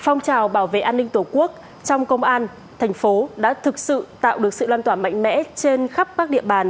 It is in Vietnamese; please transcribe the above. phong trào bảo vệ an ninh tổ quốc trong công an thành phố đã thực sự tạo được sự loan tỏa mạnh mẽ trên khắp các địa bàn